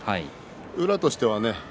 宇良としてはね